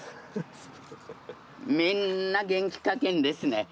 みんな元気かけんですね。